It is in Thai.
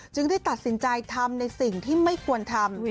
ได้ตัดสินใจทำในสิ่งที่ไม่ควรทำ